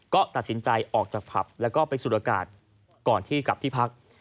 ก็ตัดสินใจออกจากผับแล้วก็ไปสูดอากาศก่อนที่กลับที่พัก